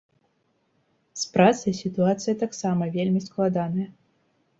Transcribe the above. З працай сітуацыя таксама вельмі складаная.